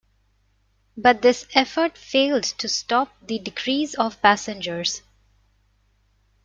But this effort failed to stop the decrease of passengers.